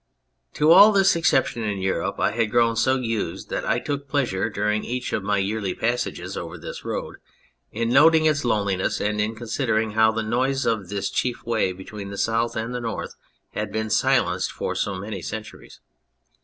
To all this exception in Europe I had grown so used that I took pleasure, during each of my yearly passages over this road, in noting its loneliness, and in considering how the noise of this chief way between the south and the north had been silenced for so many centuries.